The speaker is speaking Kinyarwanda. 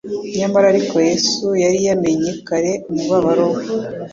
Nyamara ariko Yesu yari yamenye kare, umubabaro we.